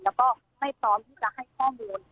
แล้วก็ไม่พร้อมที่จะให้ข้อมูล